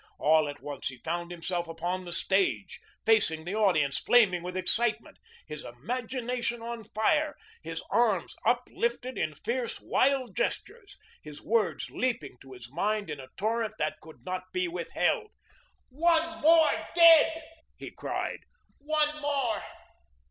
All at once he found himself upon the stage, facing the audience, flaming with excitement, his imagination on fire, his arms uplifted in fierce, wild gestures, words leaping to his mind in a torrent that could not be withheld. "One more dead," he cried, "one more.